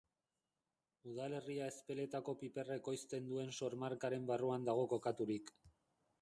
Udalerria Ezpeletako piperra ekoizten duen sor-markaren barruan dago kokaturik.